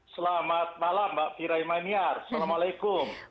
selamat malam mbak firaimaniar assalamualaikum